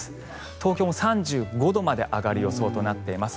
東京も３５度まで上がる予想となっています。